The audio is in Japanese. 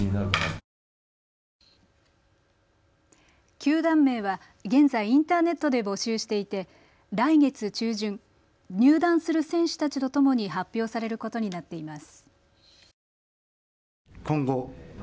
球団名は現在、インターネットで募集していて来月中旬、入団する選手たちとともに発表されることになっています。